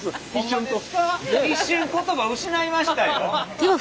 一瞬言葉失いましたよ。